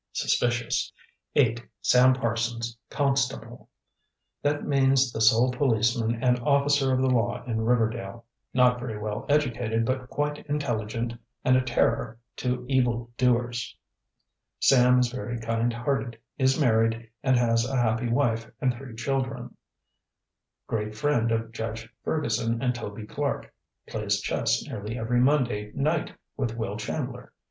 Suspicious. "8. Sam Parsons. Constable. That means the sole policeman and officer of the law in Riverdale. Not very well educated but quite intelligent and a terror to evil doers. Sam is very kind hearted; is married and has a happy wife and three children. Great friend of Judge Ferguson and Toby Clark. Plays chess nearly every Monday night with Will Chandler.